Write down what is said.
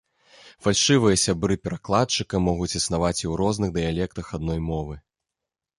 Фальшывыя сябры перакладчыка могуць існаваць і ў розных дыялектах адной мовы.